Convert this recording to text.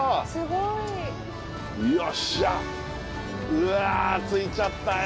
うわ着いちゃったよ